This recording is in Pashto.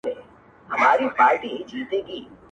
کلک کړه ځان پسې راپورې د کوټې ور